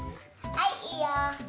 はいいいよ。